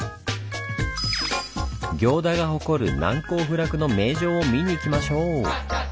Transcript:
行田が誇る難攻不落の名城を見に行きましょう！